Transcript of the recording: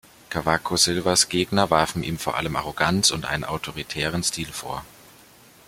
Cavaco Silvas Gegner warfen ihm vor allem Arroganz und einen autoritären Stil vor.